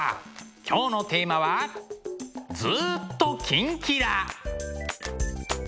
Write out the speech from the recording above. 今日のテーマは「ずーっとキンキラ★」！